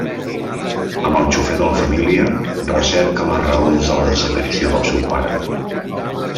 Amb el xofer de la família, recerca les raons de la desaparició del seu pare.